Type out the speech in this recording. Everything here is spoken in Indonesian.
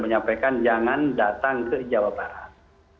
menyampaikan jangan datang ke jawa barat